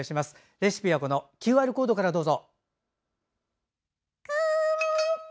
レシピはＱＲコードからどうぞ。